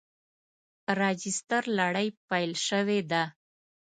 راجستر لړۍ پیل شوې ده.